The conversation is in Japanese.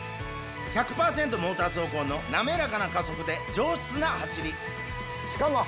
モーター走行の滑らかな加速で上質な走りしかも。